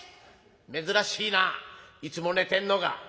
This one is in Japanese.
「珍しいないつも寝てんのが。